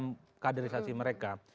kurikulum dan program kaderisasi mereka